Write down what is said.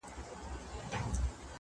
خلک بيا بحث شروع کوي ډېر-